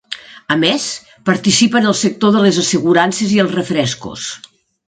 A més, participa en el sector de les assegurances i els refrescos.